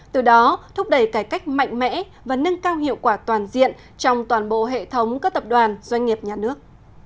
từ đó thúc đẩy cải cách mạnh mẽ và nâng cao hiệu quả toàn diện trong toàn bộ hệ thống các tập đoàn doanh nghiệp nhà nước